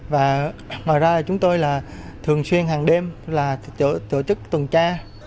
và ngoài ra chúng tôi là thường xuyên hàng đêm là tổ chức tuần tra